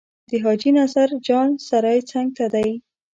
د حاجي نظر جان سرای څنګ ته دی.